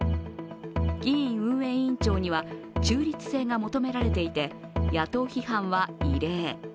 議院運営委員長には中立性が求められていて野党批判は異例。